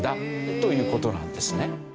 という事なんですね。